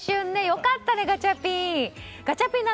良かったね、ガチャピン。